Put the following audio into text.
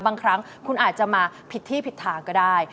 บางครั้งคุณอาจจะมาผิดที่ผิดทางก็ได้